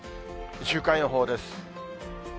週間予報です。